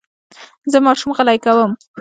زه ماشوم غلی کوم.